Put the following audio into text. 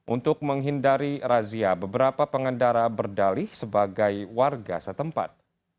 untuk menghindari razia beberapa pengendara berdalih sebagai warga setempat